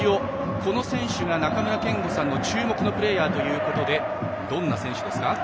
この選手が中村憲剛さんの注目のプレーヤーということでどんな選手ですか？